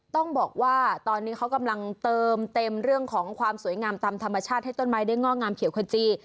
ต้องบอกว่าตอนนี้เขากำลังเติมเต็มเรื่องของความสวยงามตามธรรมชาติให้ต้นไม้ได้ง่องามเขียวขจี